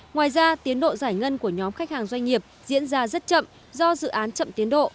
ngoài ra tiến độ giải ngân của nhóm khách hàng doanh nghiệp diễn ra rất chậm do dự án chậm tiến độ